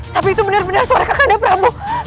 tapi itu benar benar suara kakinda prabu